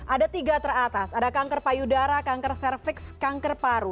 ada tiga teratas ada kanker payudara kanker cervix kanker paru